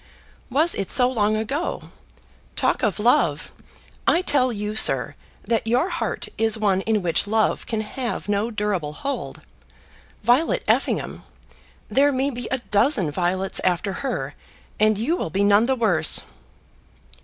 Was it so long ago? Talk of love! I tell you, sir, that your heart is one in which love can have no durable hold. Violet Effingham! There may be a dozen Violets after her, and you will be none the worse."